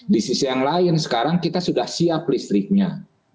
di sisi yang lain sekarang kita sudah siap listriknya